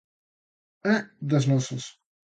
É das nosas.